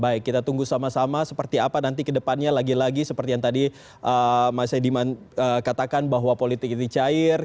baik kita tunggu sama sama seperti apa nanti kedepannya lagi lagi seperti yang tadi mas edi katakan bahwa politik ini cair